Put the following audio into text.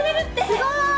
すごーい！